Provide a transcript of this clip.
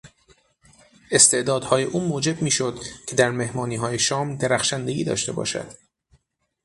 استعدادهای او موجب میشد که در مهمانیهای شام درخشندگی داشته باشد.